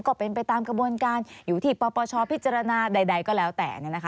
ก็เป็นไปตามกระบวนการอยู่ที่ปปชพิจารณาใดก็แล้วแต่